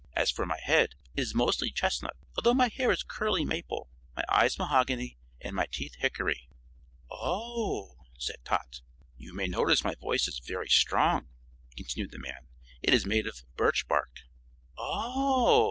As for my head, it is mostly chestnut, although my hair is curly maple, my eyes mahogany and my teeth hickory." "Oh!" said Tot. "You may notice my voice is very strong," continued the man; "it is made of birch bark." "Oh!"